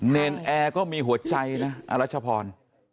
เนรนแอร์ก็มีหัวใจนะอรัชพร